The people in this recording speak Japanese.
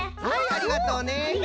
ありがとう。